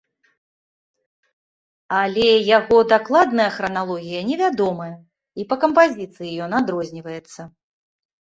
Але яго дакладная храналогія невядомая і па кампазіцыі ён адрозніваецца.